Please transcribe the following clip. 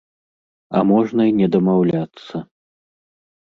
А можна і не дамаўляцца.